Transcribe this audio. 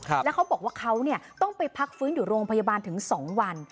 แล้วเขาบอกว่าเขาเนี่ยต้องไปพักฟื้นอยู่โรงพยาบาลถึง๒วัน